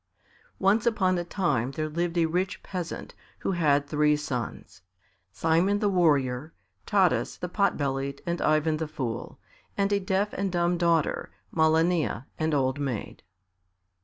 Once upon a time there lived a rich peasant, who had three sons Simon the Warrior, Taras the Pot bellied, and Ivan the Fool, and a deaf and dumb daughter, Malania, an old maid.